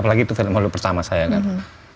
apalagi itu film holdo pertama saya kan